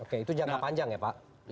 oke itu jangka panjang ya pak